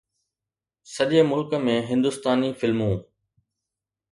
سڄي ملڪ ۾ هندستاني فلمون